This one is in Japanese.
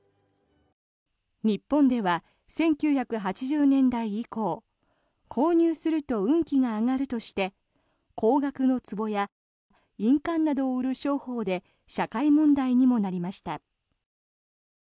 日本では１９８０年代以降購入すると運気が上がるとして高額のつぼや印鑑などを売る商法で社会問題にもなりました。